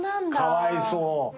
かわいそう。